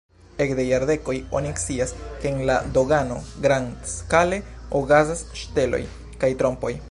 Ekde jardekoj oni scias, ke en la dogano grandskale okazas ŝteloj kaj trompoj.